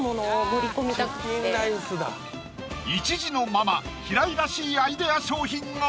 １児のママ・平井らしいアイデア商品が！